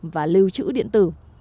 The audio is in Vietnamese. và lưu trữ điện tử